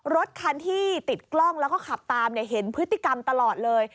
รถคันที่ติดกล้องแล้วก็ขับตามเห็นพฤติกรรมตลอดเลย